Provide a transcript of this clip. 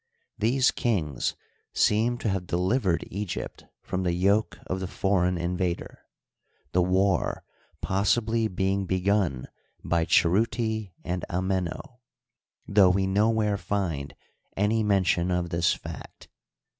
These kings seem to have delivered Egypt from the yoke of the foreign invader— the war possibly being begun by Chruti and Ameno—ihough we nowhere find any mention of this fact.